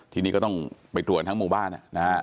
ทีนี้ก็ต้องไปตรวจทั้งหมู่บ้านนะฮะ